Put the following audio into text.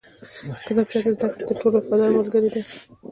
کتابچه د زده کړې تر ټولو وفاداره ملګرې ده